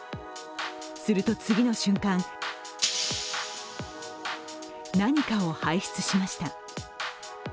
次の瞬間、何かを排出しました。